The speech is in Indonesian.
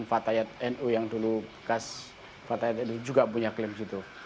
fatayat nu yang dulu khas fatayat nu juga punya klaim di situ